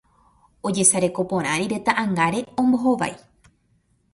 ojesareko porã rire ta'ãngáre ombohovái